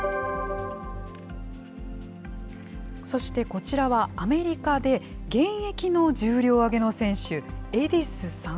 そしてこちらは、アメリカで現役の重量挙げの選手、エディスさん。